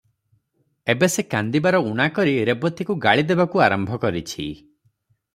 ଏବେ ସେ କାନ୍ଦିବାର ଊଣା କରି ରେବତୀକୁ ଗାଳି ଦେବାକୁ ଆରମ୍ଭ କରିଛି ।